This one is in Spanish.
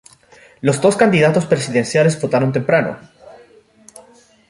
Los dos candidatos presidenciales votaron temprano.